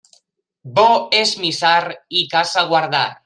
Bo és missar i casa guardar.